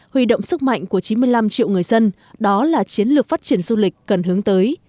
huy động sức mạnh của chín mươi năm triệu người dân đó là chiến lược phát triển du lịch cần hướng tới